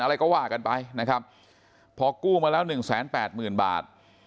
อะไรก็ว่ากันไปนะครับพอกู้มาแล้วหนึ่งแสนแปดหมื่นบาท